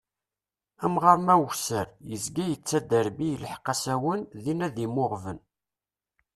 Amɣaṛ ma wesser, yezga yettader; mi ilheq asawen, din ad immuɣben.